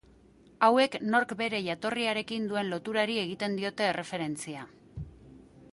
Hauek nork bere jatorriarekin duen loturari egiten diote erreferentzia.